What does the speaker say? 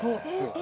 え！